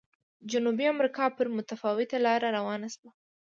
جنوبي امریکا پر متفاوته لار روانه شوه.